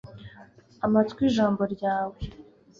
amatwi ijambo ryawe